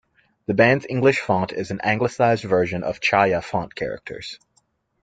The band's English font is an Anglicized version of Chaya font characters.